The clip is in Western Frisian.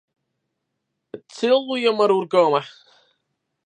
It sil jin mar oerkomme.